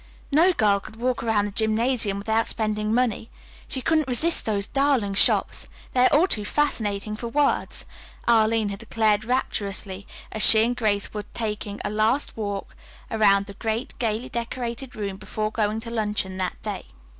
"No girl could walk around the gymnasium without spending money. She couldn't resist those darling shops. They are all too fascinating for words," Arline had declared rapturously as she and Grace were taking a last walk around the great, gayly decorated room before going to luncheon that day.